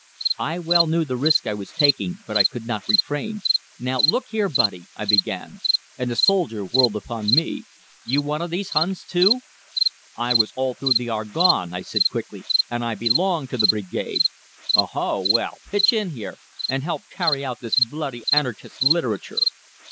I well knew the risk I was taking, but I could not refrain. "Now, look here, buddy!" I began; and the soldier whirled upon me. "You one of these Huns, too?" "I was all through the Argonne," I said quickly. "And I belong to the Brigade." "Oh ho! Well, pitch in here, and help carry out this bloody Arnychist literature!"